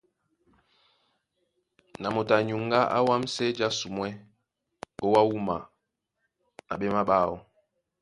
Na moto a nyuŋgá á wámsɛ jásumwɛ́ ó wá wúma na ɓémaɓáọ.